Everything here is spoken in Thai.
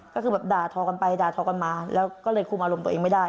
เดาหมากรายดาห์เค้าก็เลยคุมอารมณ์ตัวเองไม่ได้